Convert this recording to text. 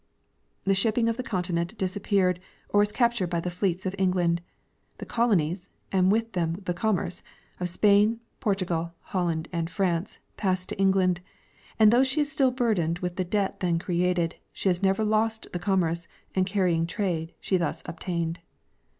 The shipping of the continent disappeared or was captured by the fleets of England ; the colonies, and with them the commerce, of Spain and Portugal, Holland and France, passed to England ; and though she is still burdened with the debt then created, she has never lost the commerce and carrying trade she then obtained.